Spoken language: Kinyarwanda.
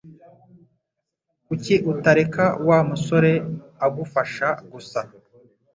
Kuki utareka Wa musore agufasha gusa?